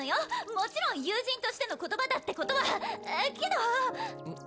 もちろん友人としての言葉だってことはけどうん？